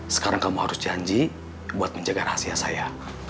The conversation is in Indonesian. sekarang kamu harus janji buat menjaga rahasia saya